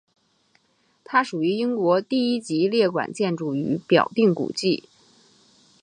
它属于英国第一级列管建筑与表定古迹。